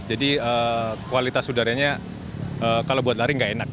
jadi kualitas udaranya kalau buat lari nggak enak